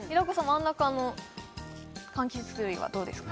真ん中のかんきつ類はどうですか？